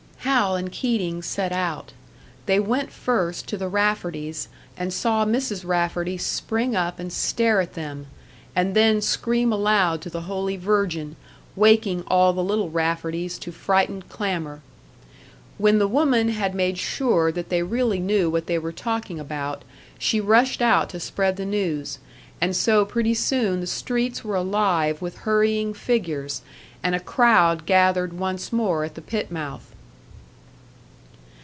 Hal and Keating set out; they went first to the Rafferties', and saw Mrs. Rafferty spring up and stare at them, and then scream aloud to the Holy Virgin, waking all the little Rafferties to frightened clamour. When the woman had made sure that they really knew what they were talking about, she rushed out to spread the news, and so pretty soon the streets were alive with hurrying figures, and a crowd gathered once more at the pit mouth.